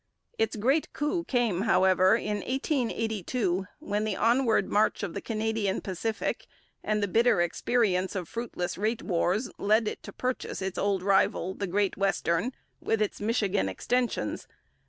Its great coup came, however, in 1882, when the onward march of the Canadian Pacific and the bitter experience of fruitless rate wars led it to purchase its old rival, the Great Western, with its Michigan extensions.